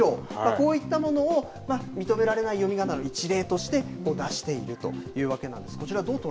こういったものを認められない読みがなの一例として出しているというわけなんですね